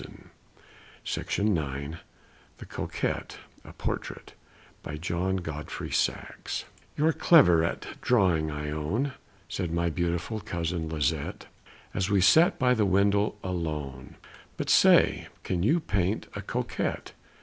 JOHN GODFREY SAXE THE COQUETTE A PORTRAIT "You're clever at drawing, I own," Said my beautiful cousin Lisette, As we sat by the window alone, "But say, can you paint a Coquette?"